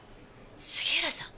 杉浦さん！